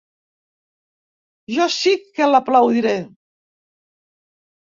Jo sí que l'aplaudiré.